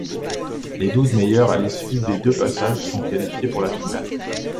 Les douze meilleurs à l'issue des deux passages sont qualifiés pour la finale.